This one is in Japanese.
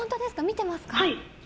見てますか。